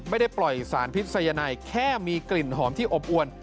ไม่ได้ปล่อยสารพิษัยัยแค่มีกลิ่นหอมที่อบอวน